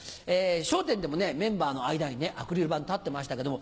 『笑点』でもねメンバーの間にアクリル板立ってましたけども。